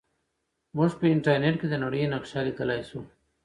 موږ په انټرنیټ کې د نړۍ نقشه لیدلی سو.